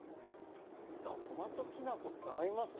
あっごまときな粉って合いますね。